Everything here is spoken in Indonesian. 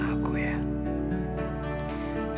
supaya aku bisa deket sama tanya